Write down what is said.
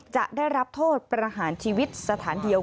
จะได้รับโทษประหารชีวิตสถานเดียว